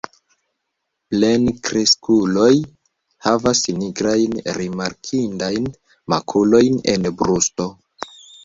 Plenkreskuloj havas nigrajn rimarkindajn makulojn en brusto.